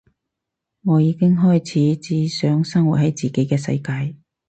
我已經開始只想生活喺自己嘅世界